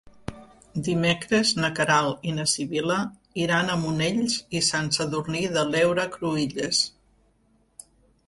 Dimecres na Queralt i na Sibil·la iran a Monells i Sant Sadurní de l'Heura Cruïlles.